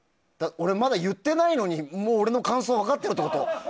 俺、まだ言ってないのにもう俺の感想分かってるってこと？